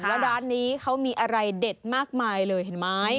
ว่าร้านนี้เขามีอะไรเด็ดมากมายเลยเห็นไหม